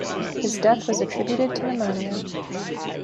His death was attributed to pneumonia.